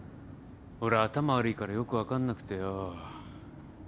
俺頭悪いからよく分かんなくてよ。